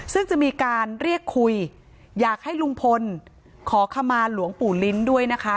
ซึ่งจะมีการเรียกคุยอยากให้ลุงพลขอขมาหลวงปู่ลิ้นด้วยนะคะ